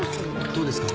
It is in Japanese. どうですか？